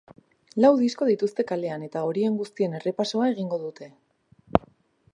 Lau disko dituzte kalean eta horien guztien errepasoa egingo dute.